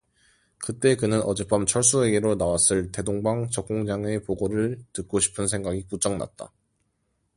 그때 그는 어젯밤 철수에게로 나왔을 대동방적공장의 보고를 듣고 싶은 생각이 부쩍 났다.